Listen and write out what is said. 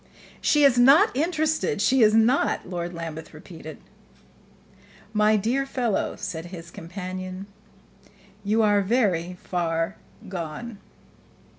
"She is not interested she is not!" Lord Lambeth repeated. "My dear fellow," said his companion, "you are very far gone."